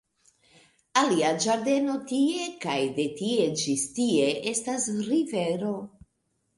Alia ĝardeno tie, kaj de tie ĝis tie, estas rivero